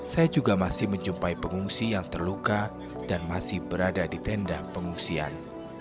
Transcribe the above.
saya juga masih menjumpai pengungsi yang terluka dan masih berada di tenda pengungsian